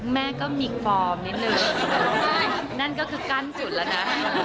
แม่ก็มีฟอร์มนิดนึงนั่นก็คือกั้นจุดแล้วนะ